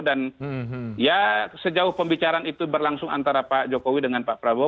dan ya sejauh pembicaraan itu berlangsung antara pak jokowi dengan pak prabowo